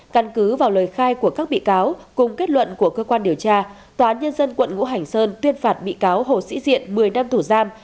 căn cứ vào lời khai của các bị cáo cùng kết luận của cơ quan điều tra tòa án nhân dân quận ngũ hành sơn tuyên phạt bị cáo hồ sĩ diện một mươi năm tù giam